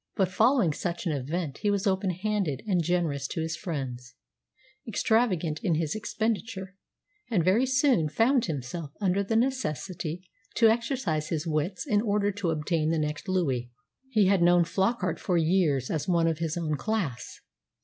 But following such an event he was open handed and generous to his friends, extravagant in his expenditure; and very soon found himself under the necessity to exercise his wits in order to obtain the next louis. He had known Flockart for years as one of his own class.